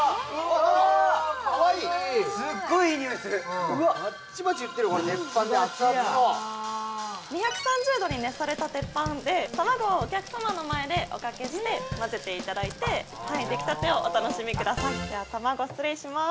かわいいすっごいいい匂いするバッチバチいってるこれ鉄板でアツアツの２３０度に熱された鉄板で卵をお客様の前でおかけして混ぜていただいてはいできたてをお楽しみくださいでは卵失礼します